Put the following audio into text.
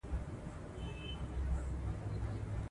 ابو محمد هاشم د شعر په ژباړه کښي د عربي ژبي اغېزې سوي دي.